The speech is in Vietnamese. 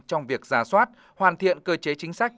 trong việc giả soát hoàn thiện cơ chế chính sách